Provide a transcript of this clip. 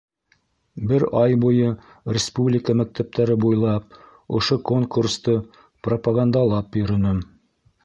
Бер ай буйы республика мәктәптәре буйлап, ошо конкурсты пропагандалап йөрөнөм.